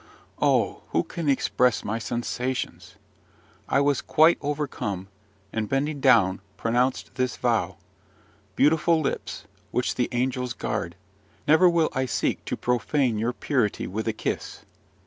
Oh! who can express my sensations? I was quite overcome, and, bending down, pronounced this vow: "Beautiful lips, which the angels guard, never will I seek to profane your purity with a kiss."